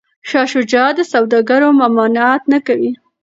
شاه شجاع د سوداګرو ممانعت نه کوي.